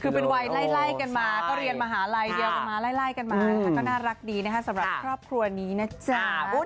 คือเป็นวัยไล่กันมาก็เรียนมหาลัยเดียวกันมาไล่กันมานะคะก็น่ารักดีนะคะสำหรับครอบครัวนี้นะจ๊ะ